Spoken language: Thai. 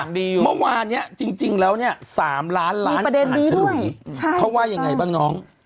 เมื่อวานเนี้ยจริงแล้วแน่๓ล้านล้านผ่านฉลุยเค้าว่ายังไงบ้างน้อง